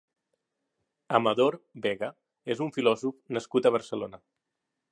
Amador Vega és un filòsof nascut a Barcelona.